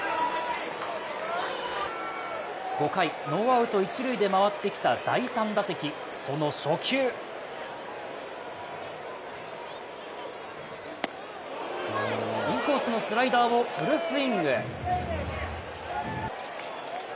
５回ノーアウト一塁で回ってきた第３打席、その初球インコースのスライダーをフルスイング。